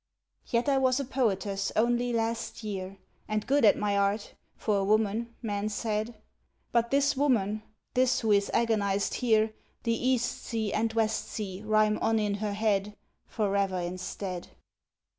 Yet I was a poetess only last year, And good at my art, for a woman, men said. But this woman, this, who is agonized here, The east sea and west sea rhyme on in her head Forever instead.